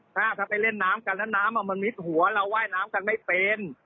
ถ้าไปเล่นน้ำกันแล้วน้ำมันมิดหัวเราว่ายน้ำกันไม่เป็น